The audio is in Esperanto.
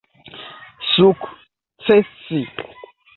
sukcesi